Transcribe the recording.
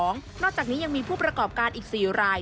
นอกจากนี้ยังมีผู้ประกอบการอีก๔ราย